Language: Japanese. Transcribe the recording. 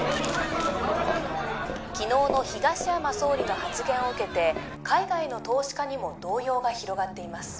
昨日の東山総理の発言を受けて海外の投資家にも動揺が広がっています